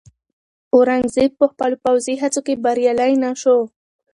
اورنګزېب په خپلو پوځي هڅو کې بریالی نه شو.